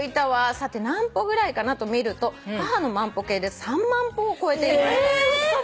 「『さて何歩ぐらいかな』と見ると母の万歩計で３万歩をこえていました」